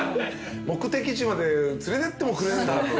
目的地まで連れてってもくれんだって。